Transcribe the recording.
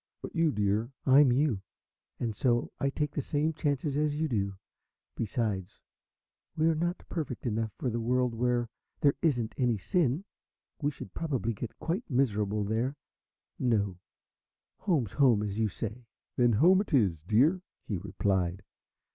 But you, dear " "I'm you, and so I take the same chances as you do. Besides, we're not perfect enough for a world where there isn't any sin. We should probably get quite miserable there. No, home's home, as you say." "Then home it is, dear!" he replied.